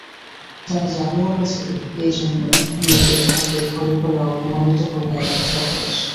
তারা জানেও না যে, এইজন্যে মেয়েদের ভাগ্যে ঘরে ঘরে অপমানিত হওয়া এত সহজ।